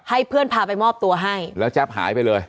ให้เพื่อนพาไปมอบตัวให้แล้วแจ๊บหายไปเลย